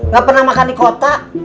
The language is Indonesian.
gak pernah makan di kota